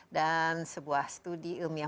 dan sebuah studi ilmiah